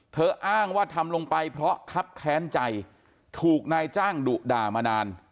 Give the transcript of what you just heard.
อ้างว่าทำลงไปเพราะคับแค้นใจถูกนายจ้างดุด่ามานาน